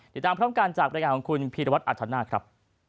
ติดตามพร้อมกันจากบรรยายงานของคุณพีรวัตรอัธนาคครับ